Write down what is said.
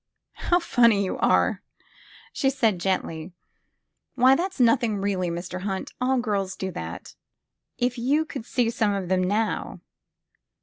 How funny you are !" she said gently. Why, that 's nothing, really, Mr. Hunt. All girls do that. If you could see some of them, now!"